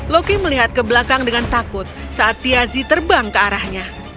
loki melihat ke belakang dengan takut saat tiazi terbang ke arahnya